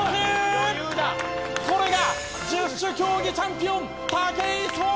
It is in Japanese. これが十種競技チャンピオン武井壮だ！